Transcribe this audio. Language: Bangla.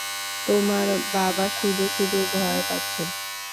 তোমার বাবা শুধু-শুধু ভয় পাচ্ছেন।